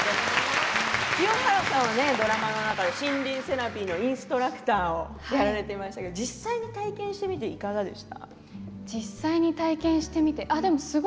清原さんはドラマの中で森林セラピーのインストラクターをやられていましたけど、実際に体験してみていかがでしたか？